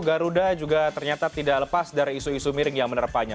garuda juga ternyata tidak lepas dari isu isu miring yang menerpanya